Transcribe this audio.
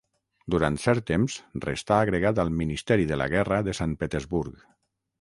Durant cert temps restà agregat al ministeri de la Guerra de Sant Petersburg.